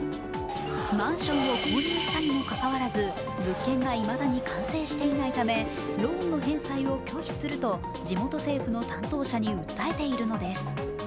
マンションを購入したにもかかわらず、物件がいまだに完成していないためローンの返済を拒否すると地元政府の担当者に訴えているのです。